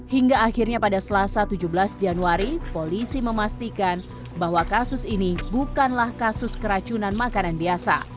hingga akhirnya pada selasa tujuh belas januari polisi memastikan bahwa kasus ini bukanlah kasus keracunan makanan biasa